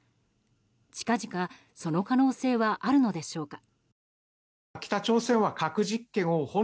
近々、その可能性はあるのでしょうか。